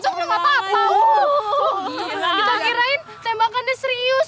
kita kirain tembakan dia serius